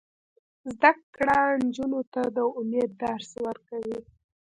زده کړه نجونو ته د امید درس ورکوي.